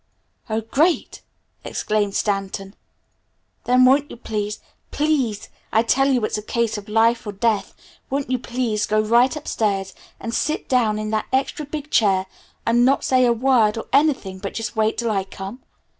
"Oh, great!" exclaimed Stanton. "Then won't you please please I tell you it's a case of life or death won't you please go right upstairs and sit down in that extra big chair and not say a word or anything but just wait till I come?